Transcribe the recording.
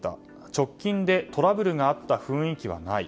直近でトラブルがあった雰囲気はない。